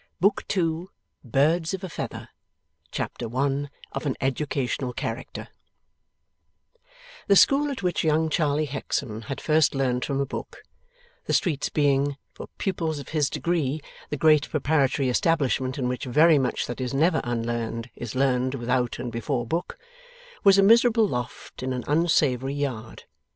BOOK THE SECOND BIRDS OF A FEATHER Chapter 1 OF AN EDUCATIONAL CHARACTER The school at which young Charley Hexam had first learned from a book the streets being, for pupils of his degree, the great Preparatory Establishment in which very much that is never unlearned is learned without and before book was a miserable loft in an unsavoury yard.